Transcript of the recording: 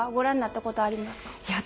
いや私